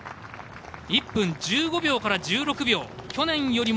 １分１５秒から１６秒。